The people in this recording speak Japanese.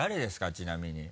ちなみに。